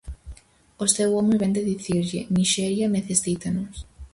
O seu home vén de dicirlle: "Nixeria necesítanos".